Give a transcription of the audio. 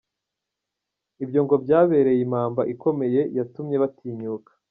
Ibyo ngo byababereye impamba ikomeye yatumye batinyuka.